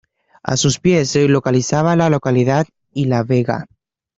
A sus pies se localizaba la localidad y la vega.